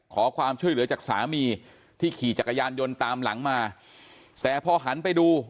ขอความช่วยเหลือจากสามีที่ขี่จักรยานยนต์ตามหลังมาแต่พอหันไปดู